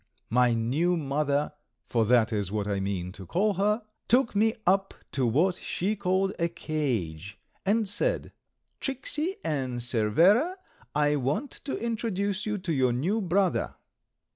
My new mother (for that is what I mean to call her) took me up to what she called a cage and said: "Tricksey and Cervera, I want to introduce you to your new brother."